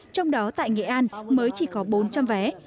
trong đó tại nghệ an mới chỉ có bốn trăm linh vé